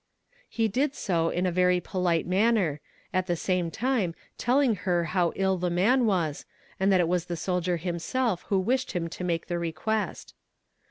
He did so in a very polite manner, at the same time telling her how ill the man was, and that it was the soldier himself who wished him to make the request.